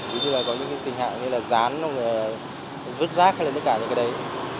ví dụ như là có những tình hạng như là rán rút rác hay là tất cả những cái đấy